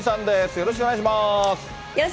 よろしくお願いします。